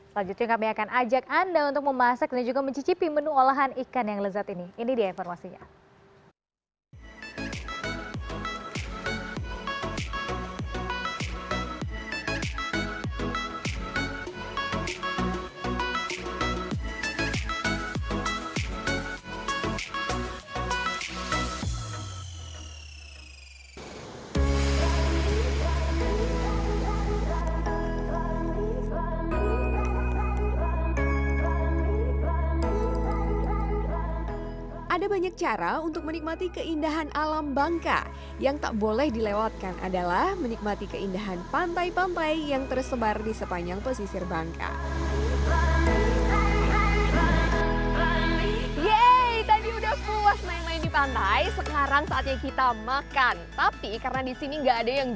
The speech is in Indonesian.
selanjutnya kami akan ajak anda untuk memasak dan juga mencicipi menu olahan ikan yang lezat ini ini dia informasinya